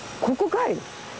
ここかい？